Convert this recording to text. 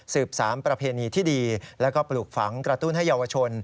บสามประเพณีที่ดีแล้วก็ปลูกฝังกระตุ้นให้เยาวชน